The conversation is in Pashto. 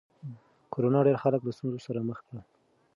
کرونا ډېر خلک له ستونزو سره مخ کړل.